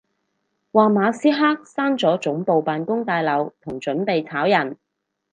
話馬斯克閂咗總部辦公大樓同準備炒人